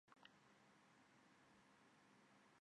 毕业于中国矿业大学重庆分校采矿系。